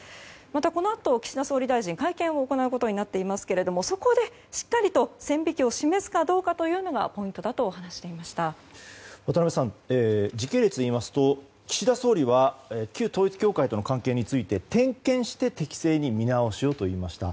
またこのあと岸田総理大臣会見を行うことになっていますがそこでしっかりと線引きを示すかどうかが渡辺さん時系列で言いますと岸田総理は旧統一教会との関係について点検して適正に見直しをと言いました。